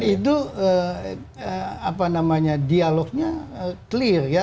itu apa namanya dialognya clear ya